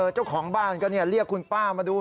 เจ้าของบ้านก็เรียกคุณป้ามาดู